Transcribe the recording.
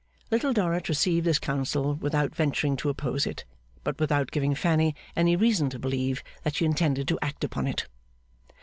Little Dorrit received this counsel without venturing to oppose it but without giving Fanny any reason to believe that she intended to act upon it.